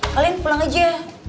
kalian pulang aja